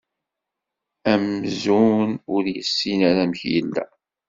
Amzun ur yessin ara amek yella.